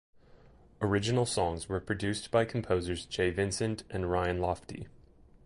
Original songs were produced by composers Jay Vincent and Ryan Lofty.